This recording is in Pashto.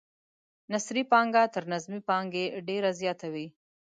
نثري پانګه تر نظمي پانګې ډیره زیاته وي.